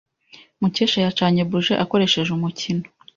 Mukesha yacanye buji akoresheje umukino.